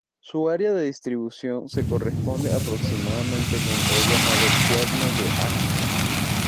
Su área de distribución se corresponde aproximadamente con el llamado Cuerno de África.